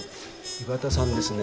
岩田さんですね